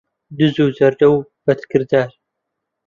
دز و جەردە و بەدکردار